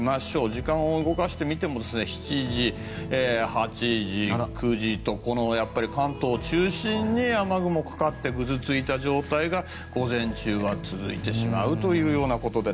時間を動かしてみても７時、８時、９時とこの関東を中心に雨雲がかかってぐずついた状態が午前中は続いてしまうということで